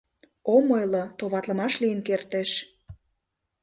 Ом ойло, товатлымаш лийын кертеш.